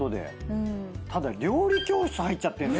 ただ料理教室入っちゃってる。